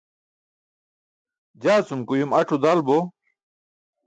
Jaa cum ke uyum ac̣o dal bo.